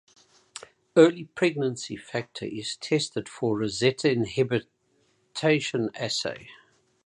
Early pregnancy factor is tested for rosette inhibition assay.